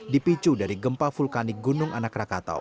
dipicu dari gempa vulkanik gunung anak rakatau